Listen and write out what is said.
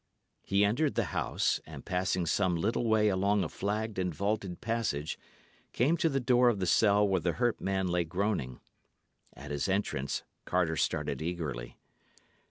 He entered the house, and passing some little way along a flagged and vaulted passage, came to the door of the cell where the hurt man lay groaning. At his entrance Carter started eagerly.